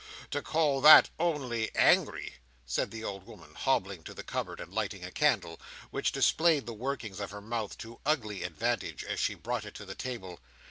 To call that only angry!" said the old woman, hobbling to the cupboard, and lighting a candle, which displayed the workings of her mouth to ugly advantage, as she brought it to the table.